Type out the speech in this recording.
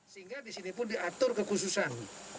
sehingga di sini pun diatur kekhususan